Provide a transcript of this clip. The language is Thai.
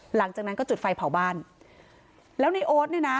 หลังจากนั้นก็จุดไฟเผาบ้านแล้วในโอ๊ตเนี่ยนะ